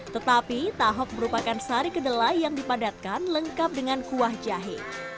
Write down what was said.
tetapi tahok merupakan sari kedelai yang dipadatkan lengkap dengan kuah jahe